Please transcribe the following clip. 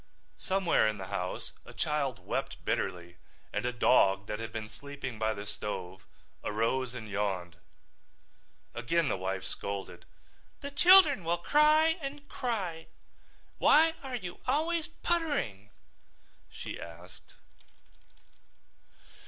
Somewhere in the house a child wept bitterly and a dog that had been sleeping by the stove arose and yawned. Again the wife scolded. "The children will cry and cry. Why are you always puttering?" she asked.